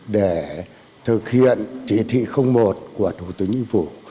để thực hiện chỉ thị một của thủ tướng nhân vụ